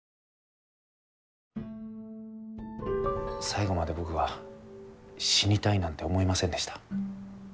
最後まで僕は死にたいなんて思いませんでした。